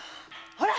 ほら！